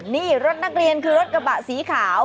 นี่รถนักเรียนคือรถกระบะสีขาว